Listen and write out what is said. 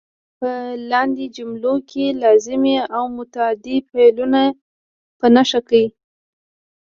په لاندې جملو کې لازمي او متعدي فعلونه په نښه کړئ.